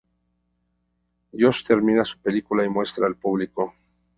Josh termina su película y muestra al público.